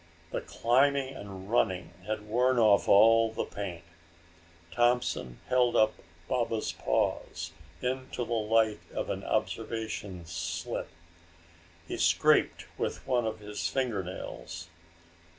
The climbing and running had worn off all the paint. Thompson held up Baba's paws into the light of an observation slit. He scraped with one of his finger nails.